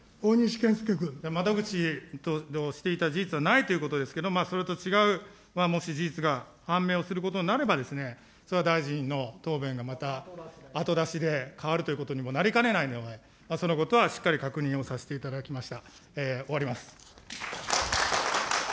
窓口をしていた事実はないということですけれども、それと違う、もし事実が判明をすることになれば、それは大臣の答弁がまた、後出しで変わるということにもなりかねないので、そのことはしっかり確認をさせていただきました。